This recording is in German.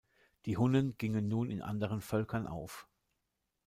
Die Hunnen gingen nun in anderen Völkern auf.